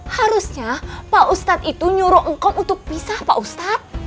harusnya pak ustadz itu nyuruh engkau untuk pisah pak ustadz